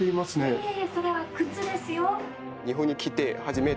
いえいえそれは靴ですよ。